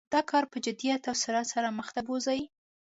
دا کار په جدیت او سرعت سره مخ ته بوزي.